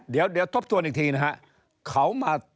เดี๋ยวทบทวนอีกทีนะฮะเขามา